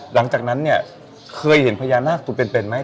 หลังจากนั้นเนี่ยเคยเห็นพญานาคตัวเป็นไหม